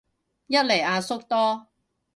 一嚟阿叔多